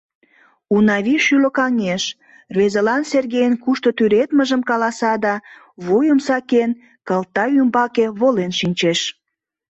Унавий шӱлыкаҥеш, рвезылан Сергейын кушто тӱредмыжым каласа да, вуйым сакен, кылта ӱмбаке волен шинчеш.